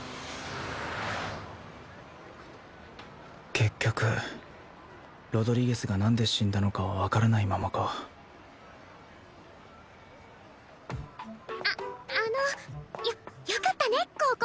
結局ロドリゲスが何で死んだのかは分からないままかああのよよかったね高校